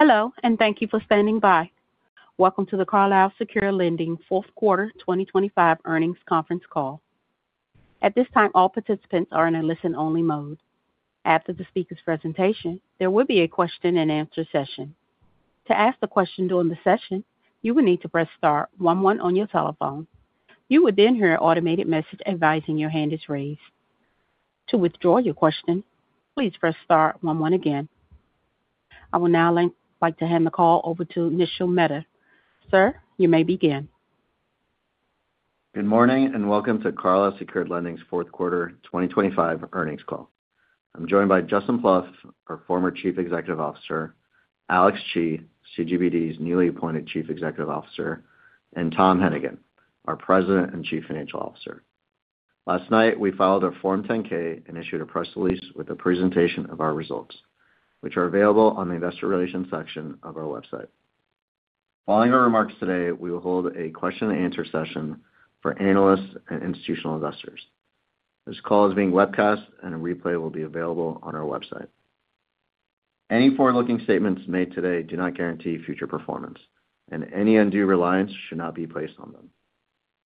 Hello, thank you for standing by. Welcome to the Carlyle Secured Lending Fourth Quarter 2025 Earnings Conference Call. At this time, all participants are in a listen-only mode. After the speaker's presentation, there will be a question-and-answer session. To ask the question during the session, you will need to press star one one on your telephone. You would hear an automated message advising your hand is raised. To withdraw your question, please press star one one again. I will now like to hand the call over to Nishil Mehta. Sir, you may begin. Good morning, welcome to Carlyle Secured Lending's fourth quarter 2025 earnings call. I'm joined by Justin Plouffe, our former Chief Executive Officer, Alex Chi, CGBD's newly appointed Chief Executive Officer, and Tom Hennigan, our President and Chief Financial Officer. Last night, we filed our Form 10-K and issued a press release with a presentation of our results, which are available on the investor relations section of our website. Following our remarks today, we will hold a question-and-answer session for analysts and institutional investors. This call is being webcast, and a replay will be available on our website. Any forward-looking statements made today do not guarantee future performance, and any undue reliance should not be placed on them.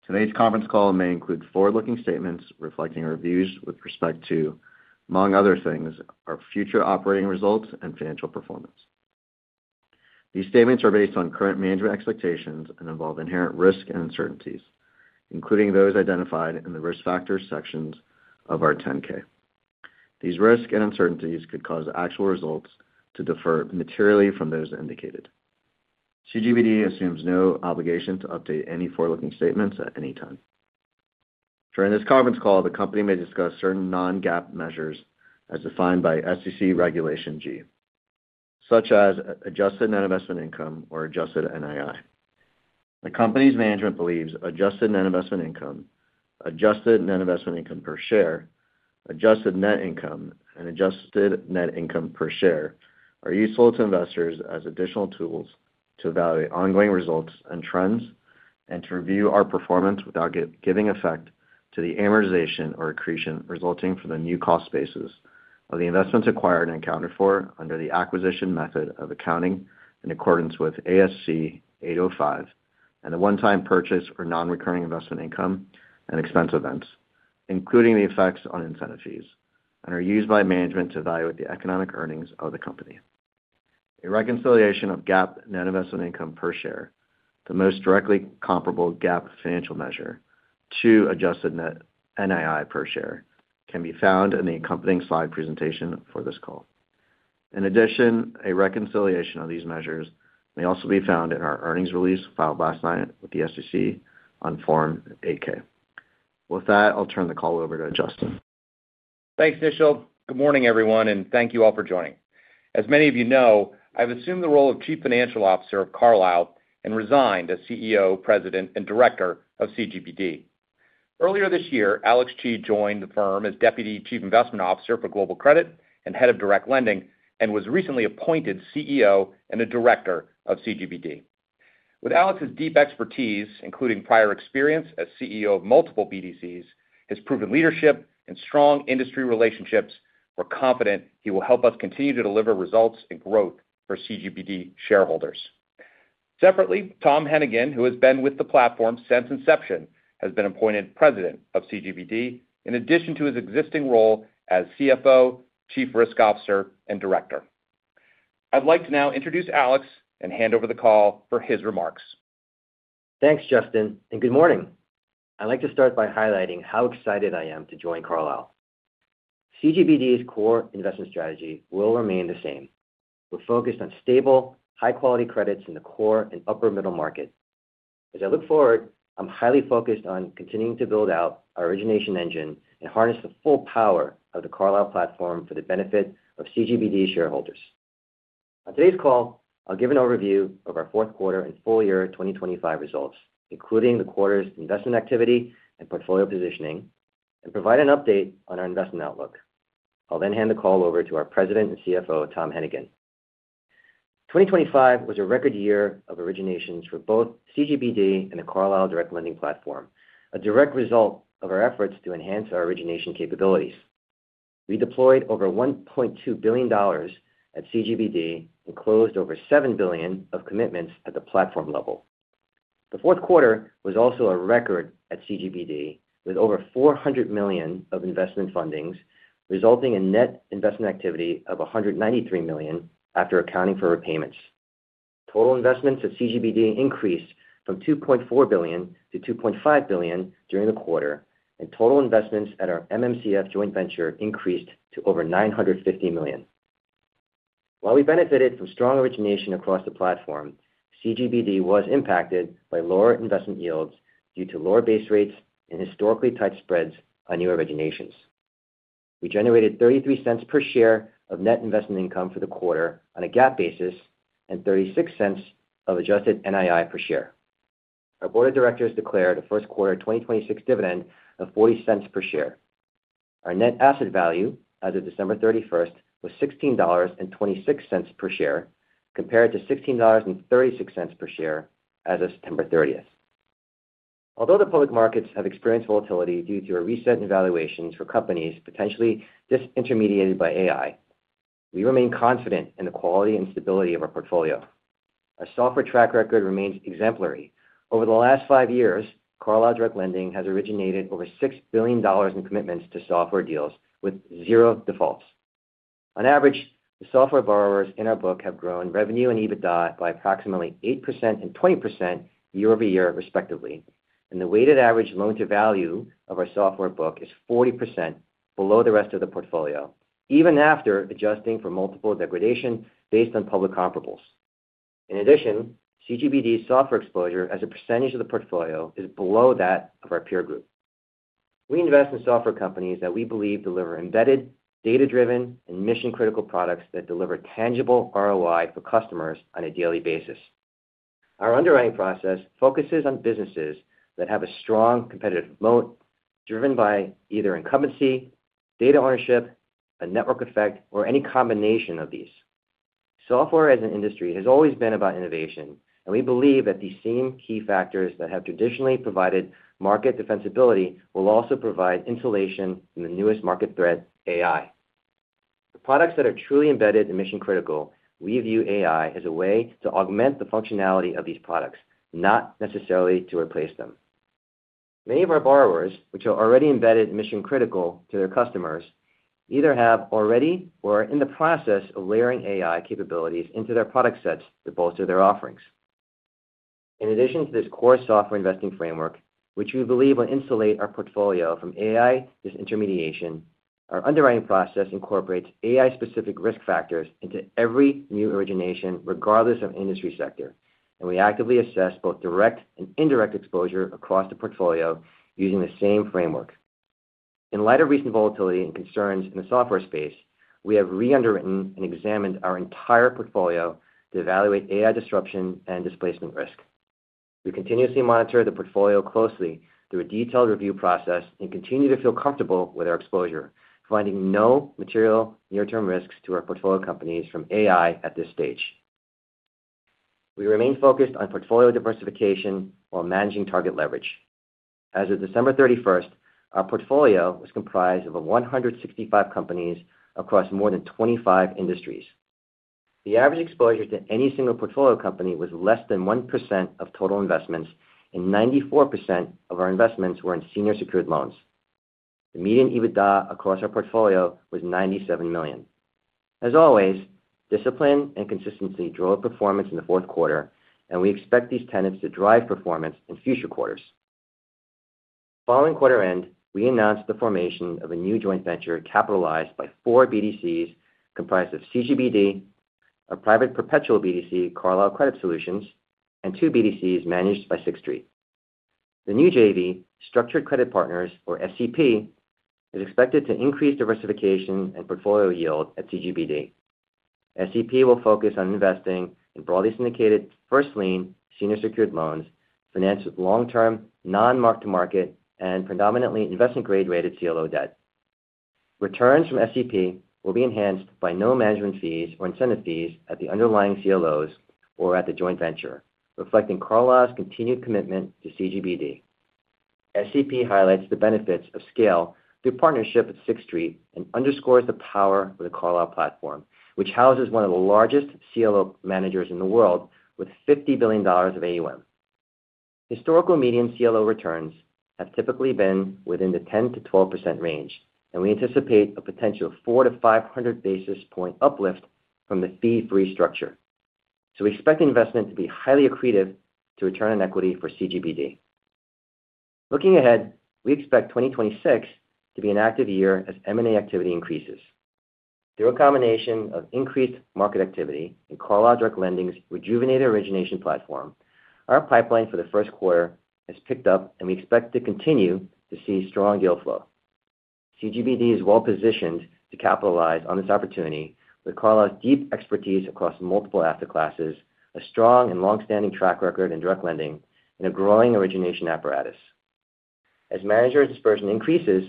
Today's conference call may include forward-looking statements reflecting our views with respect to, among other things, our future operating results and financial performance. These statements are based on current management expectations and involve inherent risks and uncertainties, including those identified in the Risk Factors sections of our Form 10-K. These risks and uncertainties could cause actual results to defer materially from those indicated. CGBD assumes no obligation to update any forward-looking statements at any time. During this conference call, the company may discuss certain non-GAAP measures as defined by SEC Regulation G, such as adjusted net investment income or Adjusted NII. The company's management believes Adjusted Net Investment Income, Adjusted Net Investment Income per share, adjusted net income, and adjusted net income per share are useful to investors as additional tools to evaluate ongoing results and trends, and to review our performance without giving effect to the amortization or accretion resulting from the new cost basis of the investments acquired and accounted for under the acquisition method of accounting in accordance with ASC 805, and the one-time purchase or non-recurring investment income and expense events, including the effects on incentive fees and are used by management to evaluate the economic earnings of the company. A reconciliation of GAAP net investment income per share, the most directly comparable GAAP financial measure to Adjusted NII per share, can be found in the accompanying slide presentation for this call. A reconciliation of these measures may also be found in our earnings release filed last night with the SEC on Form 8-K. With that, I'll turn the call over to Justin. Thanks, Nishil. Good morning, everyone. Thank you all for joining. As many of you know, I've assumed the role of Chief Financial Officer of Carlyle and resigned as CEO, President, and Director of CGBD. Earlier this year, Alex Chi joined the firm as Deputy Chief Investment Officer for Global Credit and Head of Direct Lending, and was recently appointed CEO and a Director of CGBD. With Alex's deep expertise, including prior experience as CEO of multiple BDCs, his proven leadership and strong industry relationships, we're confident he will help us continue to deliver results and growth for CGBD shareholders. Separately, Thomas Hennigan, who has been with the platform since inception, has been appointed President of CGBD, in addition to his existing role as CFO, Chief Risk Officer, and Director. I'd like to now introduce Alex and hand over the call for his remarks. Thanks, Justin, and good morning. I'd like to start by highlighting how excited I am to join Carlyle. CGBD's core investment strategy will remain the same. We're focused on stable, high-quality credits in the core and upper middle market. As I look forward, I'm highly focused on continuing to build out our origination engine and harness the full power of the Carlyle platform for the benefit of CGBD shareholders. On today's call, I'll give an overview of our fourth quarter and full year 2025 results, including the quarter's investment activity and portfolio positioning, and provide an update on our investment outlook. I'll hand the call over to our President and CFO, Tom Hennigan. 2025 was a record year of originations for both CGBD and the Carlyle Direct Lending platform, a direct result of our efforts to enhance our origination capabilities. We deployed over $1.2 billion at CGBD and closed over $7 billion of commitments at the platform level. The fourth quarter was also a record at CGBD, with over $400 million of investment fundings, resulting in net investment activity of $193 million after accounting for repayments. Total investments at CGBD increased from $2.4 billion-$2.5 billion during the quarter, and total investments at our MMCF joint venture increased to over $950 million. While we benefited from strong origination across the platform, CGBD was impacted by lower investment yields due to lower base rates and historically tight spreads on new originations. We generated $0.33 per share of net investment income for the quarter on a GAAP basis, and $0.36 of adjusted NII per share. Our board of directors declared a first-quarter 2026 dividend of $0.40 per share. Our net asset value as of December 31st was $16.26 per share, compared to $16.36 per share as of September 30th. Although the public markets have experienced volatility due to a reset in valuations for companies potentially disintermediated by AI, we remain confident in the quality and stability of our portfolio. Our software track record remains exemplary. Over the last five years, Carlyle Direct Lending has originated over $6 billion in commitments to software deals, with 0 defaults. On average, the software borrowers in our book have grown revenue and EBITDA by approximately 8% and 20% year-over-year, respectively, and the weighted average loan-to-value of our software book is 40% below the rest of the portfolio, even after adjusting for multiple degradation based on public comparables. In addition, CGBD's software exposure as a percentage of the portfolio is below that of our peer group. We invest in software companies that we believe deliver embedded, data-driven, and mission-critical products that deliver tangible ROI for customers on a daily basis. Our underwriting process focuses on businesses that have a strong competitive moat, driven by either incumbency, data ownership, a network effect, or any combination of these. Software as an industry has always been about innovation, and we believe that the same key factors that have traditionally provided market defensibility will also provide insulation from the newest market threat, AI. For products that are truly embedded and mission-critical, we view AI as a way to augment the functionality of these products, not necessarily to replace them. Many of our borrowers, which are already embedded and mission-critical to their customers, either have already or are in the process of layering AI capabilities into their product sets to bolster their offerings. In addition to this core software investing framework, which we believe will insulate our portfolio from AI disintermediation, our underwriting process incorporates AI-specific risk factors into every new origination, regardless of industry sector, and we actively assess both direct and indirect exposure across the portfolio using the same framework. In light of recent volatility and concerns in the software space, we have re-underwritten and examined our entire portfolio to evaluate AI disruption and displacement risk. We continuously monitor the portfolio closely through a detailed review process and continue to feel comfortable with our exposure, finding no material near-term risks to our portfolio companies from AI at this stage. We remain focused on portfolio diversification while managing target leverage. As of December 31st, our portfolio was comprised of 165 companies across more than 25 industries. The average exposure to any single portfolio company was less than 1% of total investments, and 94% of our investments were in senior secured loans. The median EBITDA across our portfolio was $97 million. As always, discipline and consistency drove performance in the fourth quarter, and we expect these tenets to drive performance in future quarters. Following quarter end, we announced the formation of a new joint venture capitalized by four BDCs, comprised of CGBD, a private perpetual BDC, Carlyle Credit Solutions, and two BDCs managed by Sixth Street. The new JV, Structured Credit Partners, or SCP, is expected to increase diversification and portfolio yield at CGBD. SCP will focus on investing in broadly syndicated first lien, senior secured loans, financed with long-term, non-mark-to-market, and predominantly investment-grade rated CLO debt. Returns from SCP will be enhanced by no management fees or incentive fees at the underlying CLOs or at the joint venture, reflecting Carlyle's continued commitment to CGBD. SCP highlights the benefits of scale through partnership with Sixth Street and underscores the power of the Carlyle platform, which houses one of the largest CLO managers in the world with $50 billion of AUM. Historical median CLO returns have typically been within the 10%-12% range, we anticipate a potential 400-500 basis point uplift from the fee-free structure. We expect the investment to be highly accretive to return on equity for CGBD. Looking ahead, we expect 2026 to be an active year as M&A activity increases. Through a combination of increased market activity and Carlyle Direct Lending's rejuvenated origination platform, our pipeline for the first quarter has picked up, we expect to continue to see strong deal flow. CGBD is well positioned to capitalize on this opportunity with Carlyle's deep expertise across multiple asset classes, a strong and long-standing track record in direct lending, and a growing origination apparatus. As manager dispersion increases,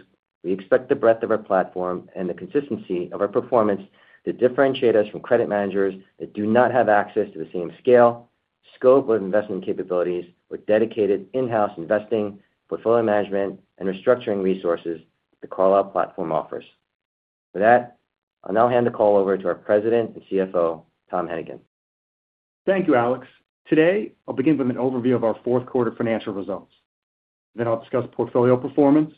we expect the breadth of our platform and the consistency of our performance to differentiate us from credit managers that do not have access to the same scale, scope, or investment capabilities with dedicated in-house investing, portfolio management, and restructuring resources the Carlyle platform offers. With that, I'll now hand the call over to our President and CFO, Tom Hennigan. Thank you, Alex. Today, I'll begin with an overview of our fourth quarter financial results. I'll discuss portfolio performance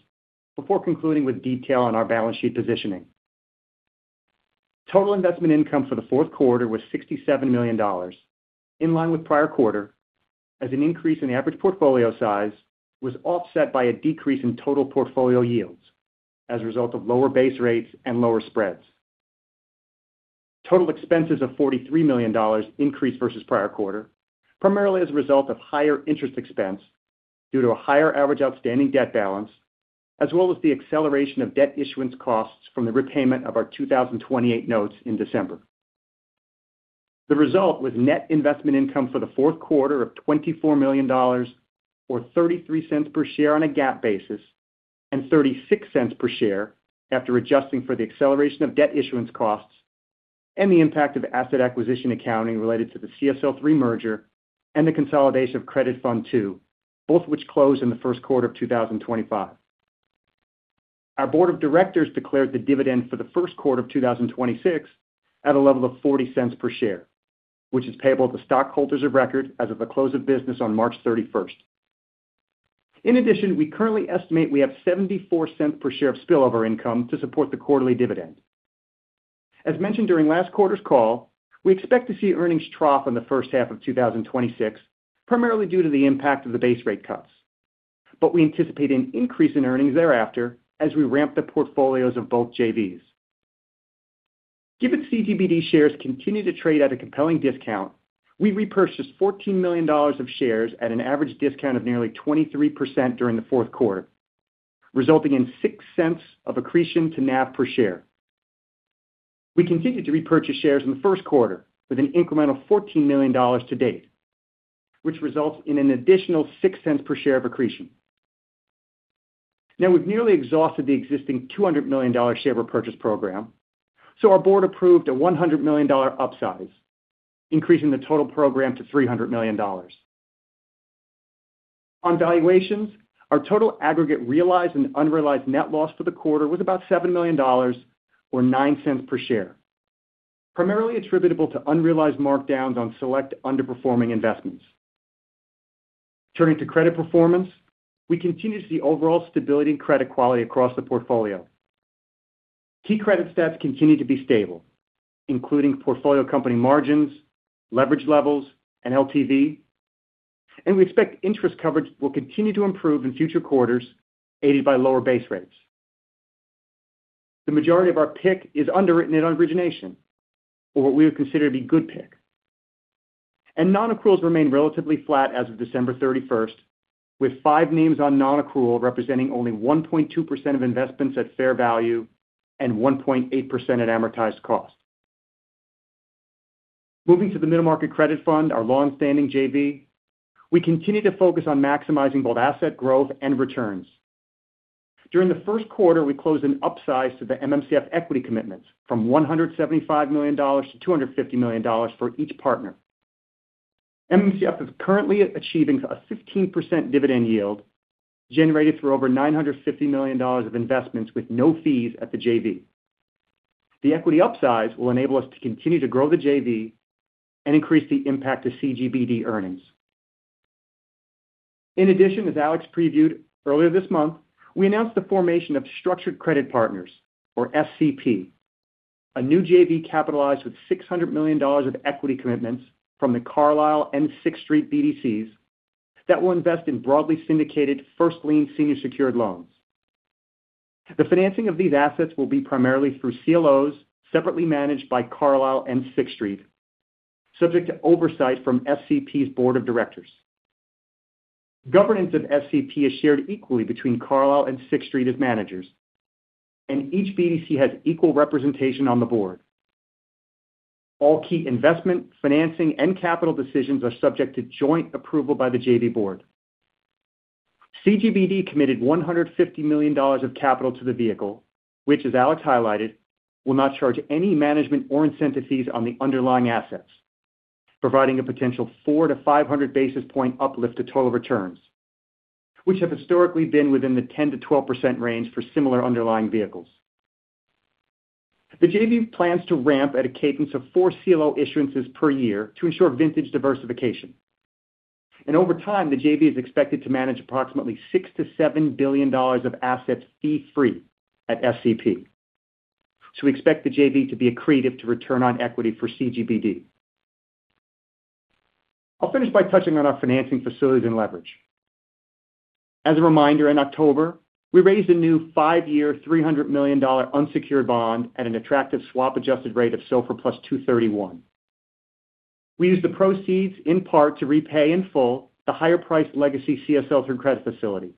before concluding with detail on our balance sheet positioning. Total investment income for the fourth quarter was $67 million, in line with prior quarter, as an increase in average portfolio size was offset by a decrease in total portfolio yields as a result of lower base rates and lower spreads. Total expenses of $43 million increased versus prior quarter, primarily as a result of higher interest expense due to a higher average outstanding debt balance, as well as the acceleration of debt issuance costs from the repayment of our 2028 notes in December. The result was net investment income for the fourth quarter of $24 million, or $0.33 per share on a GAAP basis, and $0.36 per share after adjusting for the acceleration of debt issuance costs and the impact of asset acquisition accounting related to the CSL III merger and the consolidation of Credit Fund II, both of which closed in the first quarter of 2025. Our board of directors declared the dividend for the first quarter of 2026 at a level of $0.40 per share, which is payable to stockholders of record as of the close of business on March 31st. In addition, we currently estimate we have $0.74 per share of spillover income to support the quarterly dividend. As mentioned during last quarter's call, we expect to see earnings trough in the first half of 2026, primarily due to the impact of the base rate cuts. We anticipate an increase in earnings thereafter as we ramp the portfolios of both JVs. Given CGBD shares continue to trade at a compelling discount, we repurchased $14 million of shares at an average discount of nearly 23% during the fourth quarter, resulting in $0.06 of accretion to NAV per share. We continued to repurchase shares in the first quarter with an incremental $14 million to date, which results in an additional $0.06 per share of accretion. We've nearly exhausted the existing $200 million share repurchase program. Our board approved a $100 million upsize, increasing the total program to $300 million. On valuations, our total aggregate realized and unrealized net loss for the quarter was about $7 million, or $0.09 per share, primarily attributable to unrealized markdowns on select underperforming investments. Turning to credit performance, we continue to see overall stability and credit quality across the portfolio. Key credit stats continue to be stable, including portfolio company margins, leverage levels, and LTV. We expect interest coverage will continue to improve in future quarters, aided by lower base rates. The majority of our PIC is underwritten at origination, or what we would consider to be good PIC. Nonaccruals remain relatively flat as of December 31st, with five names on nonaccrual, representing only 1.2% of investments at fair value and 1.8% at amortized cost. Moving to the Middle Market Credit Fund, our longstanding JV, we continue to focus on maximizing both asset growth and returns. During the first quarter, we closed an upsize to the MMCF equity commitments from $175 million to $250 million for each partner. MMCF is currently achieving a 15% dividend yield, generated through over $950 million of investments with no fees at the JV. The equity upsize will enable us to continue to grow the JV and increase the impact to CGBD earnings. In addition, as Alex previewed earlier this month, we announced the formation of Structured Credit Partners, or SCP, a new JV capitalized with $600 million of equity commitments from the Carlyle and Sixth Street BDCs that will invest in broadly syndicated first lien senior secured loans. The financing of these assets will be primarily through CLOs, separately managed by Carlyle and Sixth Street, subject to oversight from SCP's board of directors. Governance of SCP is shared equally between Carlyle and Sixth Street as managers, and each BDC has equal representation on the board. All key investment, financing, and capital decisions are subject to joint approval by the JV board. CGBD committed $150 million of capital to the vehicle, which, as Alex highlighted, will not charge any management or incentive fees on the underlying assets, providing a potential 400-500 basis point uplift to total returns, which have historically been within the 10%-12% range for similar underlying vehicles. The JV plans to ramp at a cadence offour CLO issuances per year to ensure vintage diversification. Over time, the JV is expected to manage approximately $6 billion-$7 billion of assets fee-free at SCP. We expect the JV to be accretive to return on equity for CGBD. I'll finish by touching on our financing facilities and leverage. As a reminder, in October, we raised a new five-year, $300 million unsecured bond at an attractive swap adjusted rate of SOFR plus 231. We used the proceeds in part to repay in full the higher priced legacy C SL through credit facility,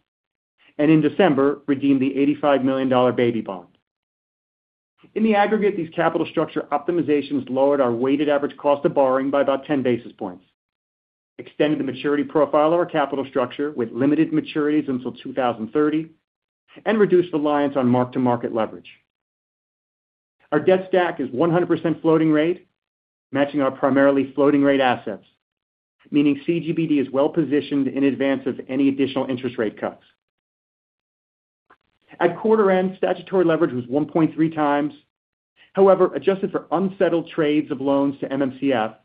and in December, redeemed the $85 million baby bond. In the aggregate, these capital structure optimizations lowered our weighted average cost of borrowing by about 10 basis points, extended the maturity profile of our capital structure with limited maturities until 2030, and reduced reliance on mark-to-market leverage. Our debt stack is 100% floating rate, matching our primarily floating rate assets, meaning CGBD is well positioned in advance of any additional interest rate cuts. At quarter end, statutory leverage was 1.3x. Adjusted for unsettled trades of loans to MMCF,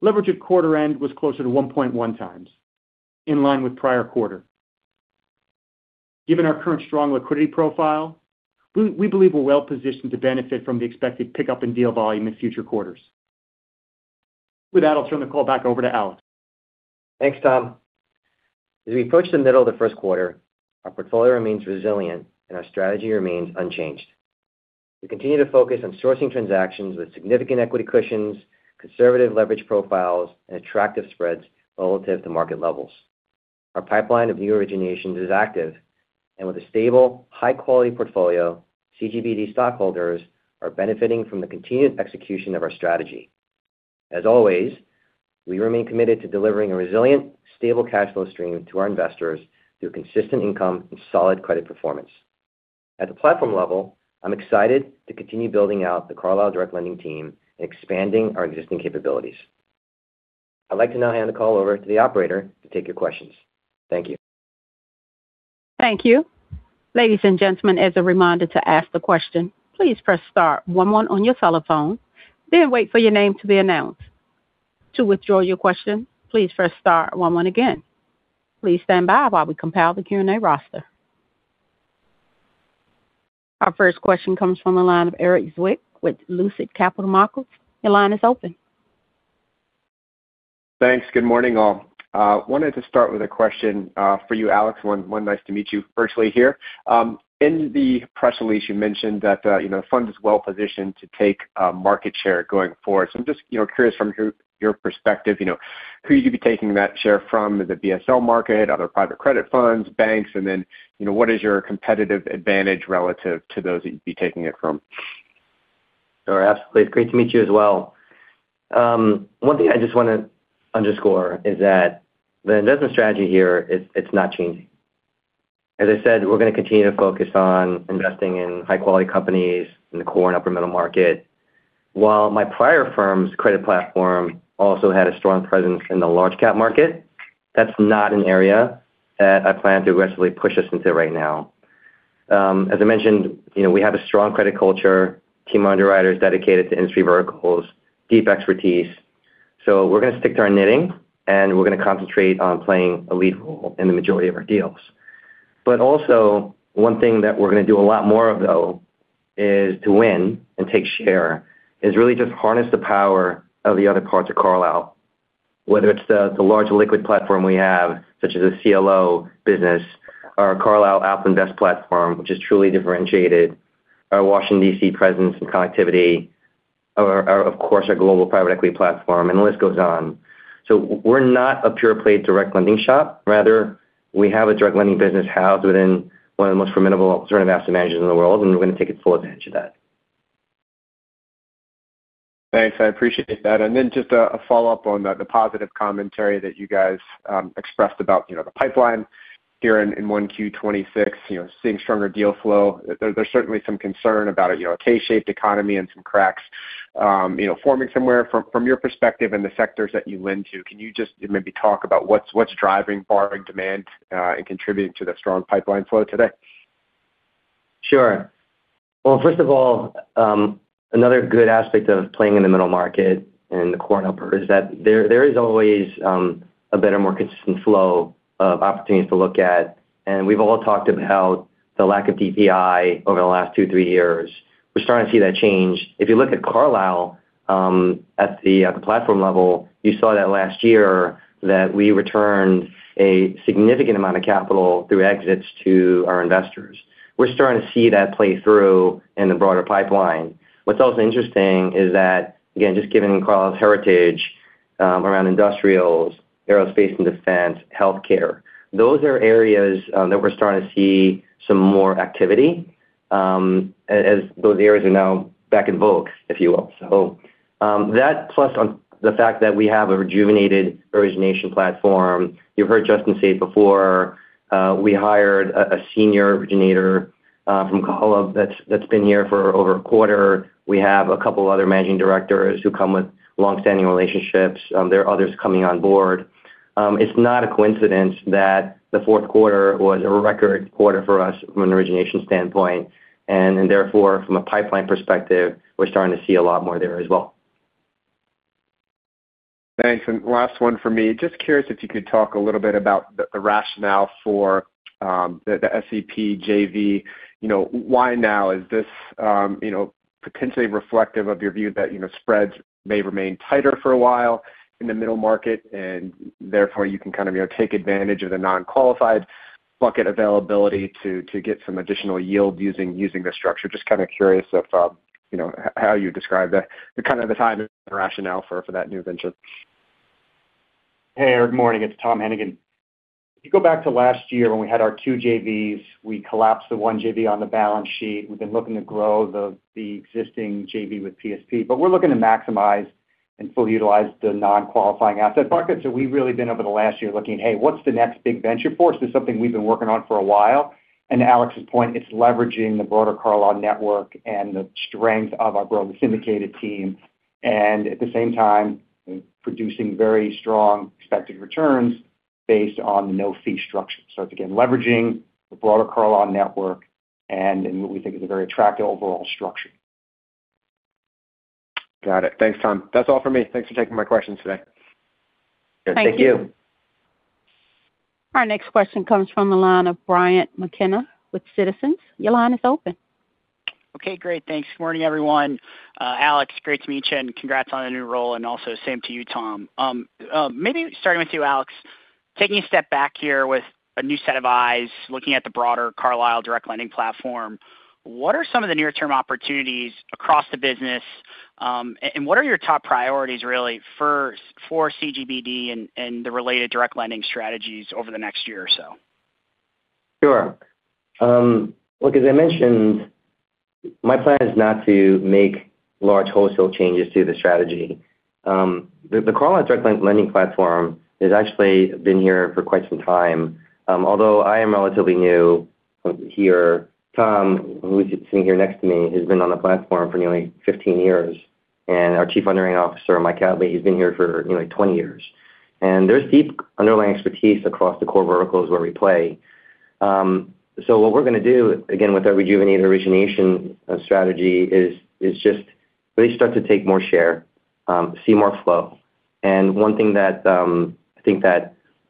leverage at quarter end was closer to 1.1x, in line with prior quarter. Given our current strong liquidity profile, we believe we're well positioned to benefit from the expected pickup in deal volume in future quarters. I'll turn the call back over to Alex. Thanks, Tom. As we approach the middle of the first quarter, our portfolio remains resilient and our strategy remains unchanged. We continue to focus on sourcing transactions with significant equity cushions, conservative leverage profiles, and attractive spreads relative to market levels. Our pipeline of new originations is active, and with a stable, high-quality portfolio, CGBD stockholders are benefiting from the continued execution of our strategy. As always, we remain committed to delivering a resilient, stable cash flow stream to our investors through consistent income and solid credit performance. At the platform level, I'm excited to continue building out the Carlyle Direct Lending team and expanding our existing capabilities. I'd like to now hand the call over to the operator to take your questions. Thank you. Thank you. Ladies and gentlemen, as a reminder, to ask the question, please press star one one on your telephone, then wait for your name to be announced. To withdraw your question, please press star one one again. Please stand by while we compile the Q&A roster. Our first question comes from the line of Erik Zwick with Lucid Capital Markets. Your line is open. Thanks. Good morning, all. wanted to start with a question for you, Alex. One, nice to meet you virtually here. in the press release, you mentioned that, you know, fund is well positioned to take market share going forward. I'm just, you know, curious from your perspective, you know, who you'd be taking that share from, the BSL market, other private credit funds, banks, and then, you know, what is your competitive advantage relative to those that you'd be taking it from? Sure, absolutely. Great to meet you as well. One thing I just wanna underscore is that the investment strategy here, it's not changing. As I said, we're gonna continue to focus on investing in high-quality companies in the core and upper middle market. While my prior firm's credit platform also had a strong presence in the large cap market, that's not an area that I plan to aggressively push us into right now. As I mentioned, you know, we have a strong credit culture, team underwriters dedicated to industry verticals, deep expertise. We're gonna stick to our knitting, and we're gonna concentrate on playing a lead role in the majority of our deals. Also, one thing that we're gonna do a lot more of, though, is to win and take share, is really just harness the power of the other parts of Carlyle, whether it's the large liquid platform we have, such as a CLO business or our Carlyle AlpInvest platform, which is truly differentiated, our Washington, D.C., presence and connectivity, or, of course, our global private equity platform, and the list goes on. We're not a pure-play direct lending shop, rather, we have a direct lending business housed within one of the most formidable alternative asset managers in the world, and we're gonna take a full advantage of that. Thanks, I appreciate that. Just a follow-up on the positive commentary that you guys expressed about, you know, the pipeline here in 1 Q 2026, you know, seeing stronger deal flow. There's certainly some concern about, you know, a K-shaped economy and some cracks, you know, forming somewhere. From your perspective and the sectors that you lend to, can you just maybe talk about what's driving borrowing demand and contributing to the strong pipeline flow today? Sure. Well, another good aspect of playing in the middle market and the core and upper is that there is always a better, more consistent flow of opportunities to look at. We've all talked about the lack of DPI over the last two, three years. We're starting to see that change. If you look at Carlyle, at the platform level, you saw that last year that we returned a significant amount of capital through exits to our investors. We're starting to see that play through in the broader pipeline. What's also interesting is that, again, just given Carlyle's heritage, around industrials, aerospace and defense, healthcare, those are areas that we're starting to see some more activity as those areas are now back in vogue, if you will. That plus on the fact that we have a rejuvenated origination platform. You heard Justin say before, we hired a senior originator from Kalo that's been here for over a quarter. We have a couple other managing directors who come with long-standing relationships. There are others coming on board. It's not a coincidence that the fourth quarter was a record quarter for us from an origination standpoint, and therefore, from a pipeline perspective, we're starting to see a lot more there as well. Thanks. Last one for me. Just curious if you could talk a little bit about the rationale for the SCP JV. You know, why now? Is this, you know, potentially reflective of your view that, you know, spreads may remain tighter for a while in the middle market, and therefore, you can kind of, you know, take advantage of the non-qualifying assets availability to get some additional yield using this structure? Just kind of curious of, you know, how you describe the kind of the time and rationale for that new venture. Hey, Erik, morning. It's Tom Hennigan. If you go back to last year when we had our two JVs, we collapsed the one JV on the balance sheet. We've been looking to grow the existing JV with PSP, we're looking to maximize and fully utilize the non-qualifying asset buckets. We've really been, over the last year, looking, "Hey, what's the next big venture for us?" This is something we've been working on for a while. Alex's point, it's leveraging the broader Carlyle network and the strength of our growing syndicated team, and at the same time, producing very strong expected returns based on the no-fee structure. It's again, leveraging the broader Carlyle network and in what we think is a very attractive overall structure. Got it. Thanks, Tom. That's all for me. Thanks for taking my questions today. Thank you. Our next question comes from the line of Brian McKenna with Citizens. Your line is open. Okay, great. Thanks. Good morning, everyone. Alex, great to meet you, and congrats on the new role, and also same to you, Tom. Maybe starting with you, Alex, taking a step back here with a new set of eyes, looking at the broader Carlyle Direct Lending platform, what are some of the near-term opportunities across the business, and what are your top priorities really for CGBD and the related direct lending strategies over the next year or so? Sure. Look, as I mentioned, my plan is not to make large wholesale changes to the strategy. The Carlyle Direct Lending platform has actually been here for quite some time. Although I am relatively new here, Tom, who is sitting here next to me, has been on the platform for nearly 15 years, and our Chief Underwriting Officer, Michael Hadley, he's been here for, you know, like, 20 years. There's deep underlying expertise across the core verticals where we play. What we're gonna do, again, with our rejuvenated origination strategy, is just really start to take more share, see more flow. One thing that I think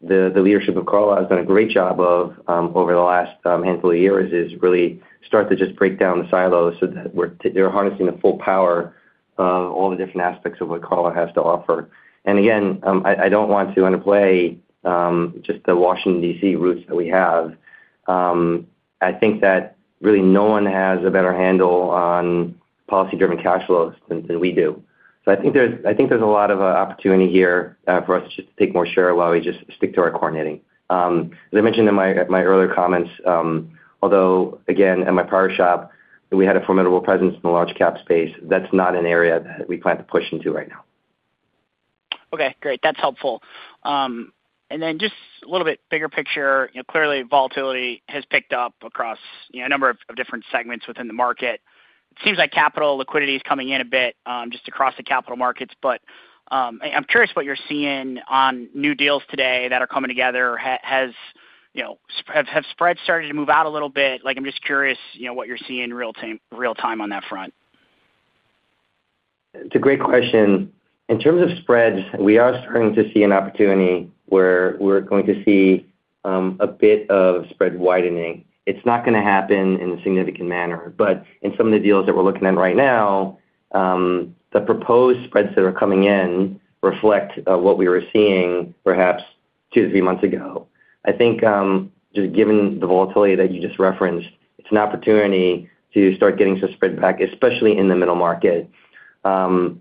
that the leadership of Carlyle has done a great job of over the last handful of years is really start to just break down the silos so that they're harnessing the full power of all the different aspects of what Carlyle has to offer. Again, I don't want to underplay just the Washington, D.C., roots that we have. I think that really no one has a better handle on policy-driven cash flows than we do. I think there's a lot of opportunity here for us to just take more share while we just stick to our core knitting. As I mentioned in my earlier comments, although, again, at my prior shop, we had a formidable presence in the large cap space, that's not an area that we plan to push into right now. Okay, great. That's helpful. Then just a little bit bigger picture, you know, clearly volatility has picked up across, you know, a number of different segments within the market. It seems like capital liquidity is coming in a bit, just across the capital markets. I'm curious what you're seeing on new deals today that are coming together. Has, you know, have spreads started to move out a little bit? Like, I'm just curious, you know, what you're seeing real time on that front. It's a great question. In terms of spreads, we are starting to see an opportunity where we're going to see a bit of spread widening. It's not gonna happen in a significant manner, but in some of the deals that we're looking at right now, the proposed spreads that are coming in reflect what we were seeing perhaps two to three months ago. I think, just given the volatility that you just referenced, it's an opportunity to start getting some spread back, especially in the middle market. Yet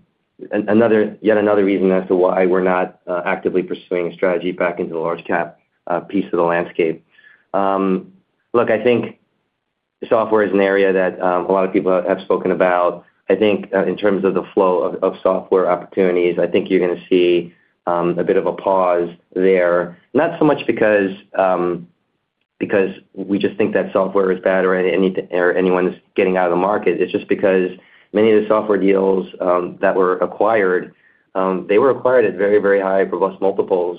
another reason as to why we're not actively pursuing a strategy back into the large cap piece of the landscape. Look, I think software is an area that a lot of people have spoken about. I think, in terms of the flow of software opportunities, I think you're gonna see a bit of a pause there. Not so much because we just think that software is bad or anyone is getting out of the market. It's just because many of the software deals that were acquired, they were acquired at very, very high robust multiples,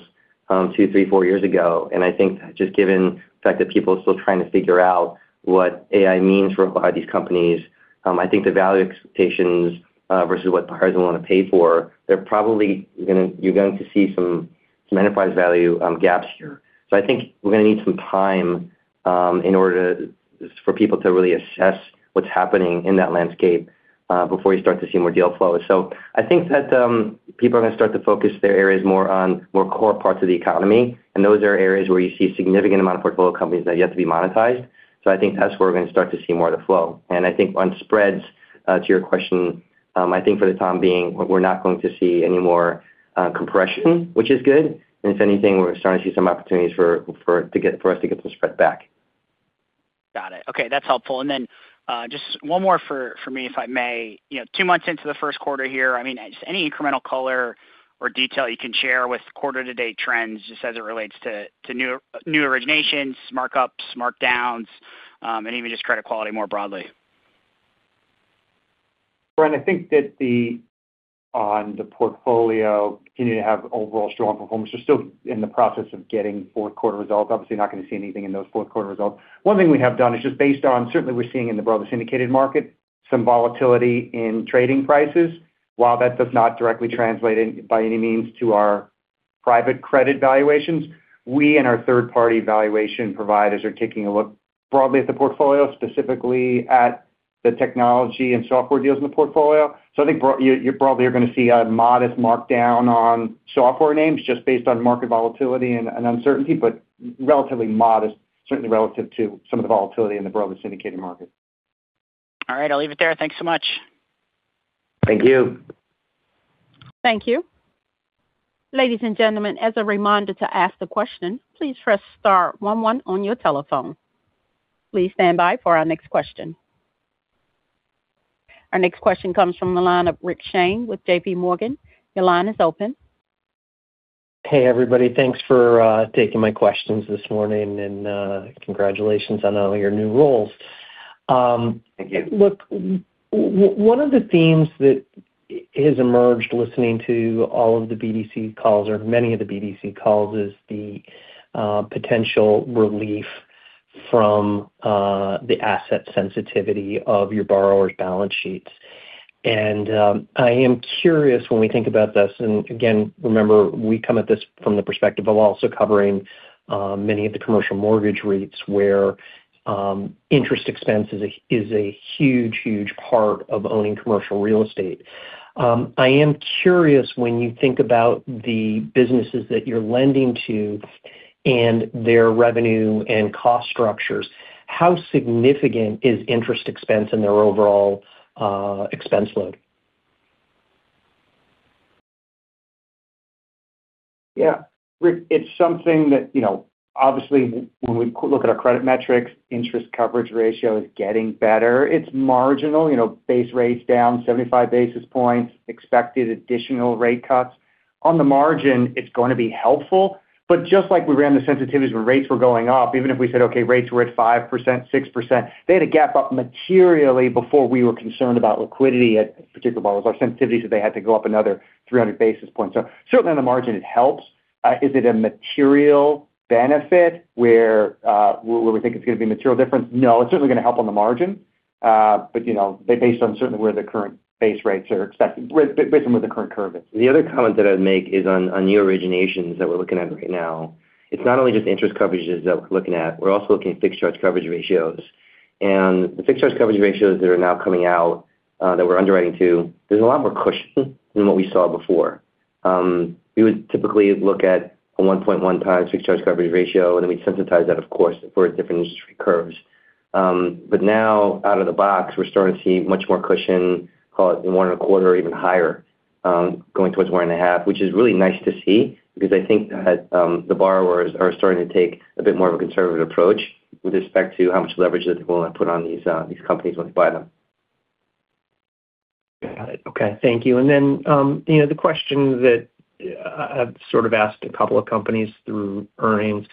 two, three, four years ago. I think just given the fact that people are still trying to figure out what AI means for a lot of these companies, I think the value expectations versus what buyers want to pay for, you're going to see some enterprise value gaps here. I think we're gonna need some time, in order to, just for people to really assess what's happening in that landscape, before you start to see more deal flow. I think that people are gonna start to focus their areas more on more core parts of the economy, and those are areas where you see a significant amount of portfolio companies that yet to be monetized. I think that's where we're gonna start to see more of the flow. I think on spreads, to your question, I think for the time being, we're not going to see any more compression, which is good. If anything, we're starting to see some opportunities for us to get some spread back. Got it. Okay, that's helpful. Just one more for me, if I may. You know, two months into the 1st quarter here, I mean, just any incremental color or detail you can share with quarter-to-date trends, just as it relates to new originations, markups, markdowns, and even just credit quality more broadly? Brian, I think that on the portfolio continue to have overall strong performance. We're still in the process of getting fourth quarter results. Obviously, you're not gonna see anything in those fourth quarter results. One thing we have done is just based on certainly we're seeing in the broader syndicated market, some volatility in trading prices. While that does not directly translate by any means to our private credit valuations, we and our third-party valuation providers are taking a look broadly at the portfolio, specifically at the technology and software deals in the portfolio. I think you broadly are gonna see a modest markdown on software names just based on market volatility and uncertainty, but relatively modest, certainly relative to some of the volatility in the broader syndicated market. All right, I'll leave it there. Thank you so much. Thank you. Thank you. Ladies and gentlemen, as a reminder to ask the question, please press star one one on your telephone. Please stand by for our next question. Our next question comes from the line of Rick Shane with J.P. Morgan. Your line is open. Hey, everybody. Thanks for taking my questions this morning, and congratulations on all your new roles. Look, one of the themes that has emerged, listening to all of the BDC calls or many of the BDC calls, is the potential relief from the asset sensitivity of your borrowers' balance sheets. I am curious, when we think about this, and again, remember, we come at this from the perspective of also covering many of the commercial mortgage rates where interest expense is a huge part of owning commercial real estate. I am curious, when you think about the businesses that you're lending to and their revenue and cost structures, how significant is interest expense in their overall expense load? Yeah, Rick, it's something that, you know, obviously, when we look at our credit metrics, Interest Coverage Ratio is getting better. It's marginal, you know, base rates down 75 basis points, expected additional rate cuts. On the margin, it's gonna be helpful, but just like we ran the sensitivities where rates were going up, even if we said, okay, rates were at 5%, 6%, they had to gap up materially before we were concerned about liquidity at particular levels. Our sensitivities, they had to go up another 300 basis points. Certainly on the margin, it helps. Is it a material benefit where we think it's gonna be a material difference? No, it's certainly gonna help on the margin. But, you know, based on certainly where the current base rates are expected, based on where the current curve is. The other comment that I'd make is on new originations that we're looking at right now. It's not only just interest coverages that we're looking at, we're also looking at fixed charge coverage ratios. The fixed charge coverage ratios that are now coming out, that we're underwriting to, there's a lot more cushion than what we saw before. We would typically look at a 1.1x fixed charge coverage ratio, and then we'd sensitize that, of course, for different industry curves. Now, out of the box, we're starting to see much more cushion, call it one and a quarter, even higher, going towards one and a half, which is really nice to see because I think that, the borrowers are starting to take a bit more of a conservative approach with respect to how much leverage that they want to put on these companies when they buy them. Got it. Okay, thank you. You know, the question that I've sort of asked a couple of companies through earnings,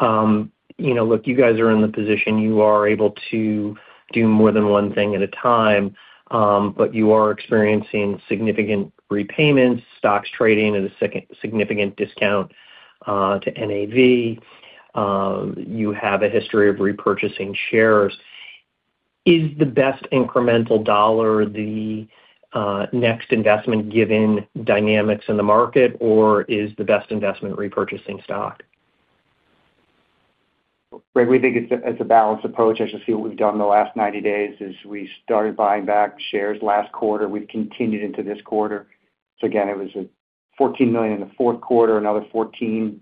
you know, look, you guys are in the position, you are able to do more than one thing at a time, but you are experiencing significant repayments, stocks trading at a significant discount to NAV. You have a history of repurchasing shares. Is the best incremental dollar the next investment given dynamics in the market, or is the best investment repurchasing stock? Rick, we think it's a, it's a balanced approach. As you see, what we've done in the last 90 days is we started buying back shares last quarter. We've continued into this quarter. Again, it was $14 million in the fourth quarter, another $14 million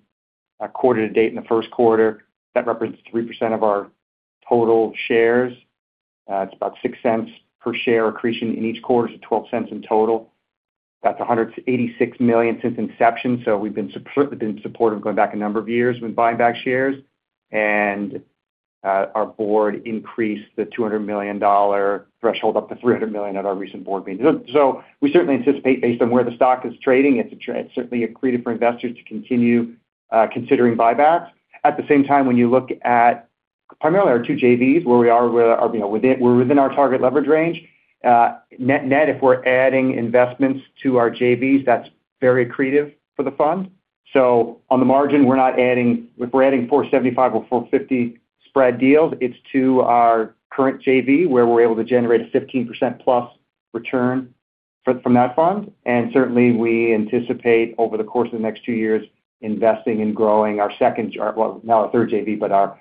quarter to date in the first quarter. That represents 3% of our total shares. It's about $0.06 per share accretion in each quarter, so $0.12 in total. That's $186 million since inception. We've been supportive going back a number of years with buying back shares, and our board increased the $200 million threshold up to $300 million at our recent board meeting. We certainly anticipate, based on where the stock is trading, it's certainly accretive for investors to continue considering buybacks. At the same time, when you look at primarily our two JVs, where we are, we're, you know, within our target leverage range. Net-net, if we're adding investments to our JVs, that's very accretive for the fund. On the margin, we're not adding. If we're adding 475 or 450 spread deals, it's to our current JV, where we're able to generate a 15% plus return from that fund. Certainly, we anticipate over the course of the next two years, investing and growing our 2nd JV, well, now our 3rd JV, but our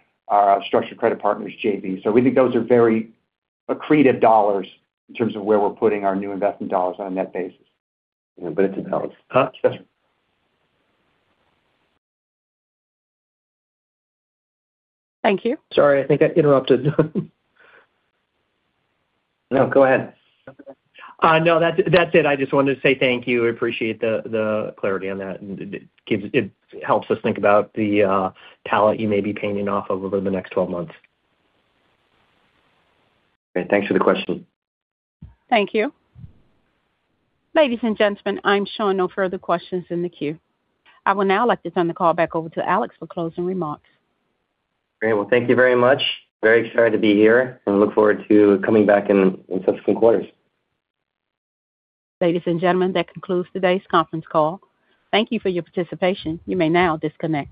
Structured Credit Partners JV. We think those are very accretive dollars in terms of where we're putting our new investment dollars on a net basis. It's a balance. Sure. Thank you. Sorry, I think I interrupted. No, go ahead. No, that's it. I just wanted to say thank you. I appreciate the clarity on that. It helps us think about the talent you may be painting off of over the next 12 months. Great. Thanks for the question. Thank you. Ladies and gentlemen, I'm showing no further questions in the queue. I would now like to turn the call back over to Alex for closing remarks. Great. Well, thank you very much. Very excited to be here, and look forward to coming back in subsequent quarters. Ladies and gentlemen, that concludes today's conference call. Thank you for your participation. You may now disconnect.